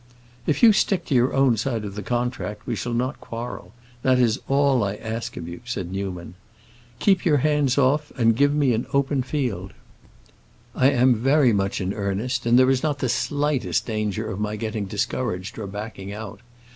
"If you stick to your own side of the contract we shall not quarrel; that is all I ask of you," said Newman. "Keep your hands off, and give me an open field. I am very much in earnest, and there is not the slightest danger of my getting discouraged or backing out.